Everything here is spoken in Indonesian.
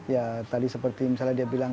ya tadi seperti misalnya dia bilang